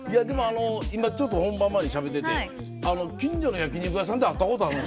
今ちょっと本番前にしゃべってて近所の焼き肉屋さんで会ったことあるんですよ。